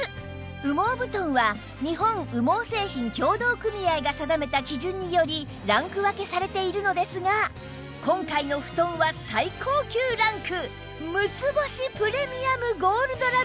羽毛布団は日本羽毛製品協同組合が定めた基準によりランク分けされているのですが今回の布団は最高級ランク！